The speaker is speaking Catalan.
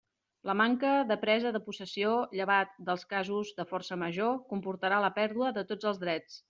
La manca de presa de possessió, llevat dels casos de forca major comportarà la pèrdua de tots els drets.